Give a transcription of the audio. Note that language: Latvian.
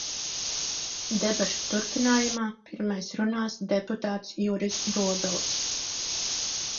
Debašu turpinājumā pirmais runās deputāts Juris Dobelis.